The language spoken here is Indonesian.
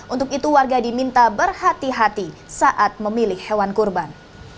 untuk itu warga diminta berhati hati saat memilih hewan kurban